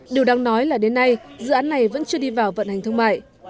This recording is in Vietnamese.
điều đáng nói là đến nay dự án này vẫn chưa đi vào vận hành thương mại